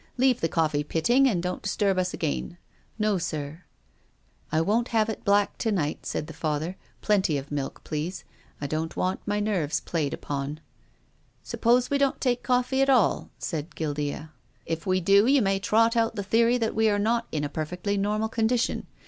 Leave the coffee. Pitting, and don't disturb us again." •' No, sir." " I won't have it black to night," said the PROFESSOR GUILDEA. 309 Father, " plenty of milk, please. I don't want my nerves played upon." "Suppose we don't take coffee at all?" said Guildea. " If we do you may trot out the theory that we are not in a perfectly normal condition.